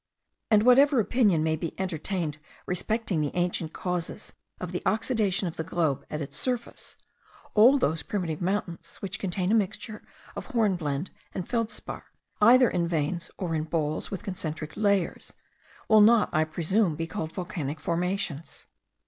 and whatever opinion may be entertained respecting the ancient causes of the oxidation of the globe at its surface, all those primitive mountains, which contain a mixture of hornblende and feldspar, either in veins or in balls with concentric layers, will not, I presume, be called volcanic formations.